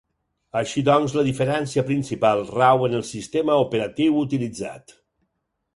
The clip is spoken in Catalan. Així doncs la diferència principal rau en el sistema operatiu utilitzat.